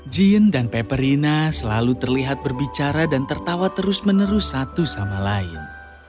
jin dan peperina selalu terlihat berbicara dan tertawa terus menerus satu sama lain